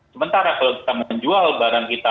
sementara kalau kita menjual barang kita